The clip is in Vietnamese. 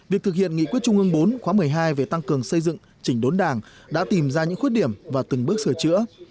việc thực hiện nghị quyết trung ương bốn khóa một mươi hai về tăng cường xây dựng chỉnh đốn đảng đã tìm ra những khuyết điểm và từng bước sửa chữa